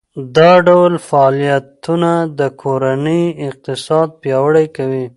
دا ډول فعالیتونه د کورنۍ اقتصاد پیاوړی کوي.